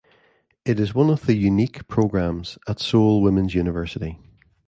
It is one of the unique programs at Seoul Women's University.